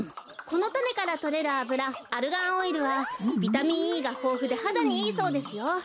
このたねからとれるあぶらアルガンオイルはビタミンＥがほうふではだにいいそうですよ。